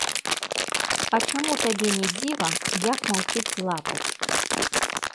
А чаму табе не дзіва, як маўчыць лапаць?